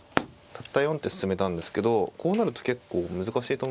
たった４手進めたんですけどこうなると結構難しいと思いますよ。